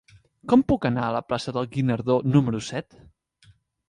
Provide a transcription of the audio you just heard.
Com puc anar a la plaça del Guinardó número set?